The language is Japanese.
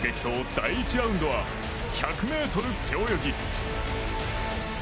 第１ラウンドは１００ｍ背泳ぎ。